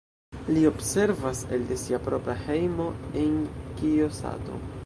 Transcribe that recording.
Li observas elde sia propra hejmo en Kijosato.